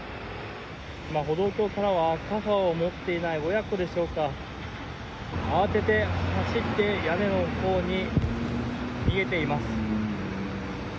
今、歩道橋からは傘を持っていない親子でしょうか慌てて走って屋根のほうに逃げています。